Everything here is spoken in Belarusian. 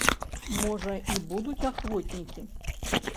Можа, і будуць ахвотнікі?